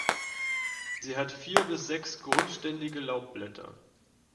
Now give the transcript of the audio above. Sie hat vier bis sechs grundständige Laubblätter.